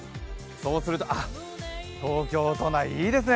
そうすると、東京都内、いいですね